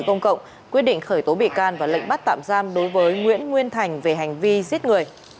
công cộng quyết định khởi tố bị can và lệnh bắt tạm giam đối với nguyễn nguyên thành về hành vi giết người